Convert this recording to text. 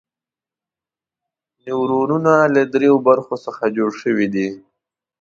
نیورونونه له دریو برخو څخه جوړ شوي دي.